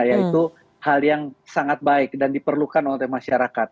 yaitu hal yang sangat baik dan diperlukan oleh masyarakat